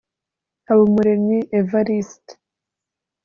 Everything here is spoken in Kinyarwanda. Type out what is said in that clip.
Habumuremyi Evariste